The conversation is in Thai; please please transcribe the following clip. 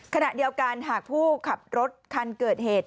ขณะเดียวกันหากผู้ขับรถคันเกิดเหตุ